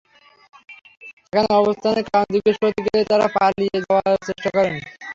সেখানে অবস্থানের কারণ জিজ্ঞেস করতে গেলে তাঁরা পালিয়ে যাওয়ার চেষ্টা করেন।